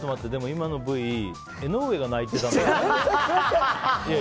今のＶ江上が泣いてたんだけど。